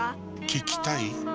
聞きたい？